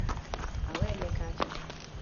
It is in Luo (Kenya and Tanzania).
Awene kacha